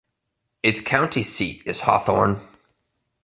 Its county seat is Hawthorne.